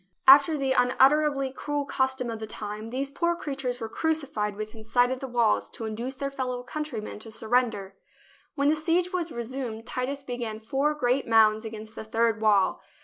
After the unutterably cruel custom of the time, THE BOOK OF FAMOUS SIEGES these poor creatures were crucified within sight of the walls, to induce their fellow countrymen to sur render. When the siege was resumed, Titus began four great mounds against the third wall.